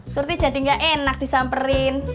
surti jadi nggak enak disamperin